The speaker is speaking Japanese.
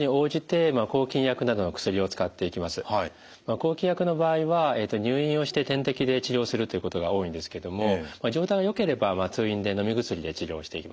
抗菌薬の場合は入院をして点滴で治療するということが多いんですけども状態がよければ通院でのみ薬で治療していきます。